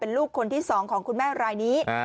ลูกคนที่๒ของคุณแม่รายนี้